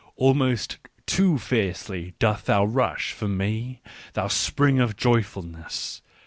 " Almost too fiercely dost thou rush, for me, thou spring of joyfulness